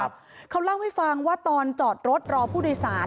เขาเล่าให้ฟังว่าตอนจอดรถรอผู้โดยสาร